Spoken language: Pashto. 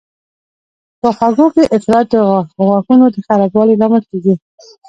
په خوږو کې افراط د غاښونو د خرابوالي لامل کېږي.